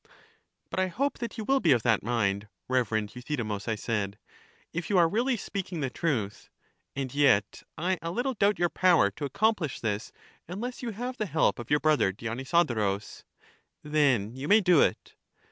But I hope that you will be of that mind, reverend Euthydemus, I said, if you are really speaking the truth, and yet I a little doubt your power to accom plish this unless you have the help of your brother Dionysodorus ; then you may do it.